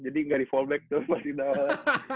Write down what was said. jadi gak di fallback tuh pas di awalnya